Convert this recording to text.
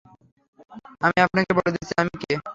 আমি আপনাকে বলে দিচ্ছি, আমি কে।